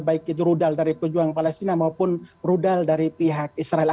baik itu rudal dari pejuang palestina maupun rudal dari pihak israel